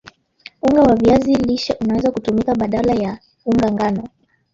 unga wa viazi lishe unaweza kutumika badala ya unga ngano